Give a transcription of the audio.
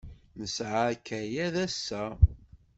Nesɛa akayad ass-a.